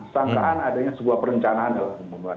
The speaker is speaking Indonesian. sangkaan adanya sebuah perencanaan dalam pembunuhan